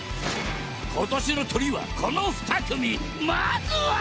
今年のトリはこの２組まずは！